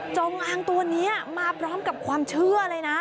จงอางตัวนี้มาพร้อมกับความเชื่อเลยนะ